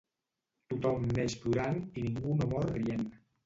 Tothom neix plorant i ningú no mor rient.